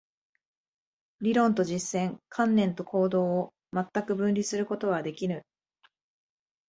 理論と実践、観念と行動を全く分離することはできぬ。